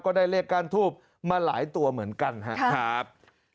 ได้เลขก้านทูบมาหลายตัวเหมือนกันครับ